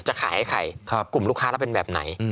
จะขายให้ใครกลุ่มลูกค้าแล้วเป็นแบบไหน